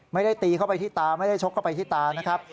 ไม่ได้ตีเข้าไปที่ตาไม่ได้ชกเข้าไปที่ตานะครับ